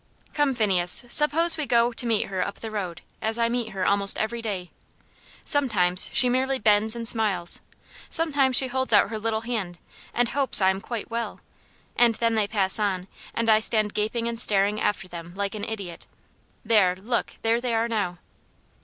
"Come, Phineas, suppose we go to meet her up the road as I meet her almost every day. Sometimes she merely bends and smiles, sometimes she holds out her little hand, and 'hopes I am quite well!' And then they pass on, and I stand gaping and staring after them like an idiot. There look there they are now."